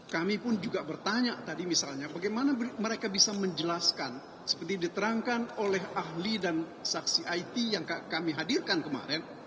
kami pun juga bertanya tadi misalnya bagaimana mereka bisa menjelaskan seperti diterangkan oleh ahli dan saksi it yang kami hadirkan kemarin